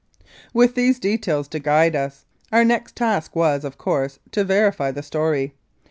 With these details to guide us, our next task was, of course, to verify the story.